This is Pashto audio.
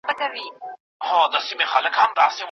ځیني خلک هيڅکله د نورو په اړه ښه فکرونه نه کوي.